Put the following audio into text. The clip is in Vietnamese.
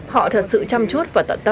họ thật sự chăm chút